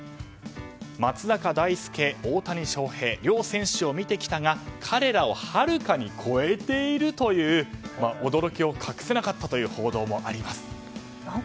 松坂大輔、大谷翔平両選手を見てきたが彼らをはるかに超えているという驚きを隠せなかったという報道もあります。